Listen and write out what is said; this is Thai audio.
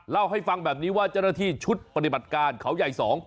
เล่าให้ฟังแบบนี้ว่าเจ้าหน้าที่ชุดปฏิบัติการเขาใหญ่๒